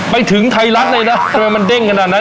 ไปถึงไทยรัฐเลยนะทำไมมันเด้งขนาดนั้น